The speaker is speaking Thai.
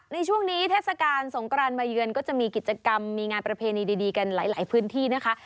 ในช่วงนี้เทศกาลสงกรานมาเยือนก็จะมีกิจกรรมมีงานประเพณีดีกันหลายพื้นที่นะคะ